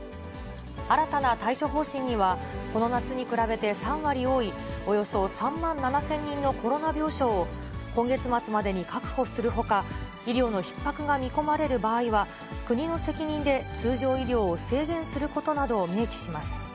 新たな対処方針には、この夏に比べて３割多いおよそ３万７０００人のコロナ病床を、今月末までに確保するほか、医療のひっ迫が見込まれる場合は、国の責任で通常医療を制限することなどを明記します。